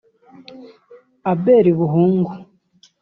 Abel Buhungu